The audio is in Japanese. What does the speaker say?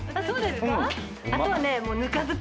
そうですか？